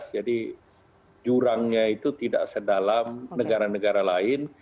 jadi jurangnya itu tidak sedalam negara negara lain